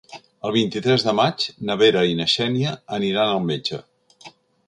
El vint-i-tres de maig na Vera i na Xènia aniran al metge.